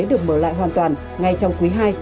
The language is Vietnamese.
được mở lại hoàn toàn ngay trong quý ii